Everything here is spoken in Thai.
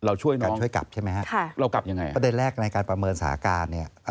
เราช่วยน้องเรากลับอย่างไรฮะประเด็นแรกในการประเมินสถาคาร